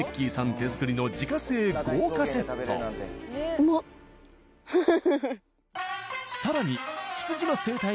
手作りの自家製豪華セットフフフフ。